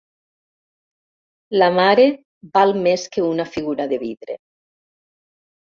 La mare val més que una figura de vidre.